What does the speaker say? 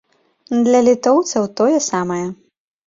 Для літоўцаў тое самае.